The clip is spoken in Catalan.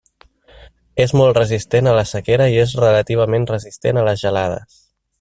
És molt resistent a la sequera i és relativament resistent a les gelades.